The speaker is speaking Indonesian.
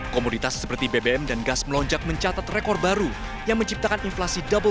komoditas seperti bbm dan gas melonjak mencatat rekor baru yang menciptakan inflasi double